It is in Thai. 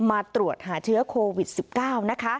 มาตรวจหาเชื้อโควิด๑๙นะคะ